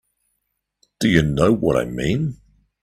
Do you know what I mean?